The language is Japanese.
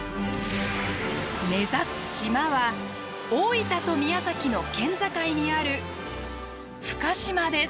目指す島は大分と宮崎の県境にある深島です。